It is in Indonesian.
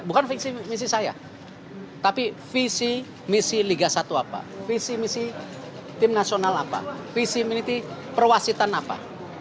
bukan visi misi saya tapi visi misi liga satu apa visi misi tim nasional apa visi minty perwasitan apa